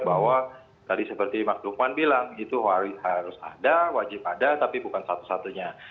bahwa tadi seperti mas lukman bilang itu harus ada wajib ada tapi bukan satu satunya